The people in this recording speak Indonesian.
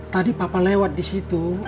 tadi papa lewat disitu